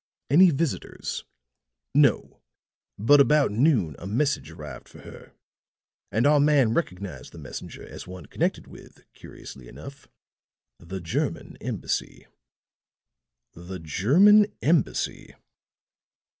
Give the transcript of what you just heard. "Any visitors?" "No. But about noon a message arrived for her. And our man recognized the messenger as one connected with, curiously enough the German Embassy." "The German Embassy!"